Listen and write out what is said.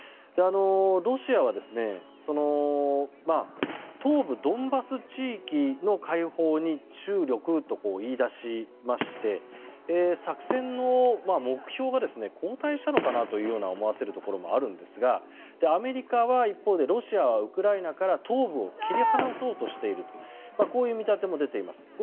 ロシアは東部ドンバス地域の解放に注力と言い出しまして作戦の目標が後退したのかなと思わせるところもあるんですがアメリカは一方でロシアはウクライナから東部を切り離そうとしているとこういう見立ても出ています。